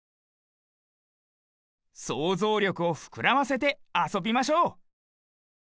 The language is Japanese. そうぞうりょくをふくらませてあそびましょう！